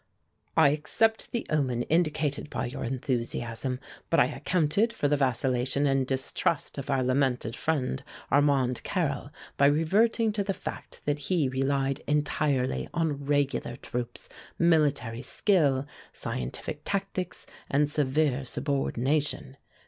"I accept the omen indicated by your enthusiasm. But I accounted for the vacillation and distrust of our lamented friend, Armand Carrel, by reverting to the fact that he relied entirely on regular troops, military skill, scientific tactics and severe subordination.